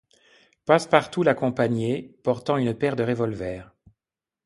Passepartout l’accompagnait, portant une paire de revolvers.